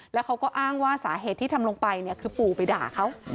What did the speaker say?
แล้วเขาก็อ้างว่าสาเหตุที่ทำลงไปเนี่ยคือปู่ไปด่าเขา